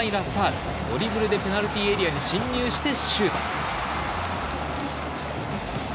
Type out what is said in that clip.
ドリブルでペナルティーエリアに進入してシュート。